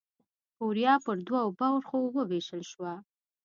کوریا پر دوو برخو ووېشل شوه.